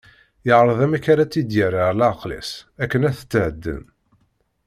Yeɛreḍ amek ara tt-id-yerr ar leɛqel-is, akken ad tethedden.